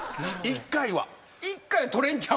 １回は捕れんちゃうかと。